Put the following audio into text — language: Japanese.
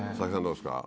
どうですか？